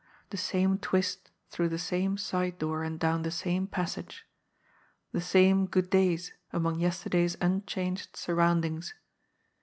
The same twist through the same side door and down the same passage. The same "Good days" among yesterday's unchanged surroundings.